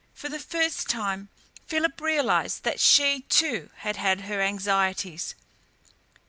For the first time Philip realised that she, too, had had her anxieties.